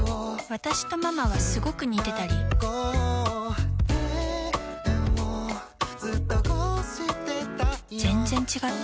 私とママはスゴく似てたり全然違ったり